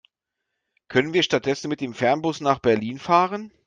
Können wir stattdessen mit dem Fernbus nach Berlin fahren?